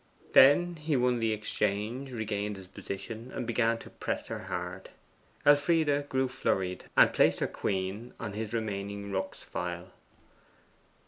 Then he won the exchange, regained his position, and began to press her hard. Elfride grew flurried, and placed her queen on his remaining rook's file.